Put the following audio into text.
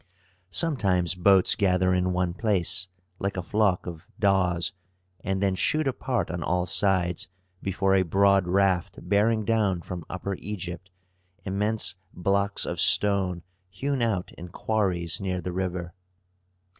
Sometimes boats gather in one place, like a flock of daws, and then shoot apart on all sides before a broad raft bearing down from Upper Egypt immense blocks of stone hewn out in quarries near the river.